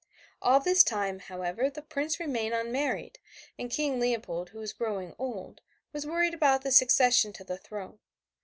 All this time, however, the Prince remained unmarried, and King Leopold, who was growing old, was worried about the succession to the throne.